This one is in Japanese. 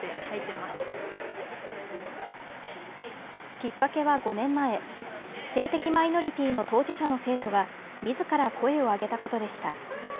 きっかけは５年前性的マイノリティーの当事者の生徒がみずから声を上げたことでした。